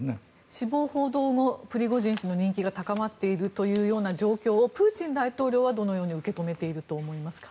死亡報道後プリゴジンの人気が高まっているという状況をプーチン大統領はどのように受け止めていると思いますか。